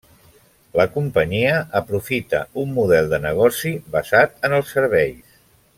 La companyia aprofita un model de negoci basat en els serveis.